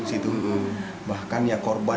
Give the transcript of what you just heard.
di situ bahkan ya korban